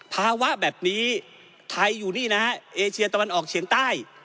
ภาวะแบบนี้ไทยอยู่นี่นะฮะเอเชียตะวันออกเฉียงใต้